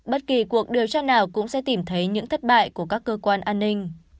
bất kỳ cuộc điều tra nào cũng sẽ tìm thấy những thất bại của các cơ quan an ninh